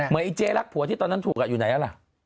ไอ้เจ๊รักผัวที่ตอนนั้นถูกอยู่ไหนล่ะ